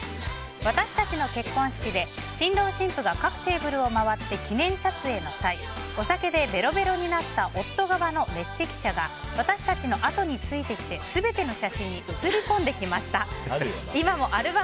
私たちの結婚式で新郎新婦が各テーブルを回って記念撮影の際お酒でべろべろになった夫側の列席者が私たちのあとについてきて「『クイックル』で良くない？」